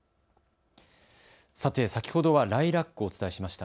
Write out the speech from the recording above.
さて先ほどはライラックをお伝えしました。